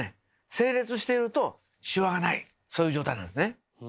整列しているとシワがないそういう状態なんですね。